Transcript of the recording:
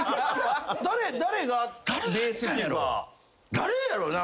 誰やろな？